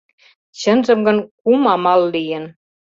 Чынжым гын кум амал лийын.